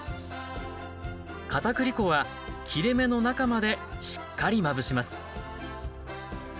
かたくり粉は切れ目の中までしっかりまぶします。